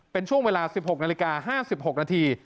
เป็นช่วงเวลา๑๖นาฬิกา๕๖นาที